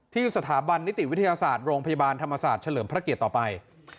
สถาบันนิติวิทยาศาสตร์โรงพยาบาลธรรมศาสตร์เฉลิมพระเกียรติต่อไป